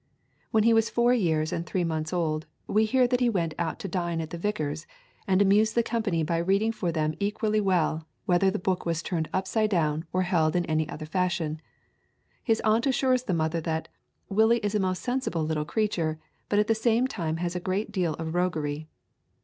When he was four years and three months old, we hear that he went out to dine at the vicar's, and amused the company by reading for them equally well whether the book was turned upside down or held in any other fashion. His aunt assures the mother that "Willie is a most sensible little creature, but at the same time has a great deal of roguery."